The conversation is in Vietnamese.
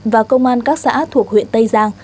và công an các xã thuộc huyện tây giang